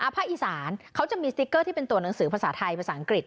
ภาคอีสานเขาจะมีสติ๊กเกอร์ที่เป็นตัวหนังสือภาษาไทยภาษาอังกฤษ